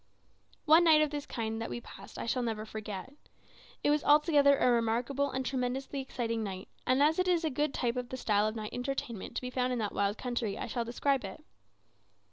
One night of this kind that we passed I shall never forget. It was altogether a remarkable and tremendously exciting night; and as it is a good type of the style of night entertainment to be found in that wild country, I shall describe it.